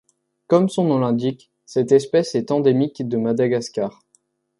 Comme son nom l'indique, cette espèce est endémique de Madagascar.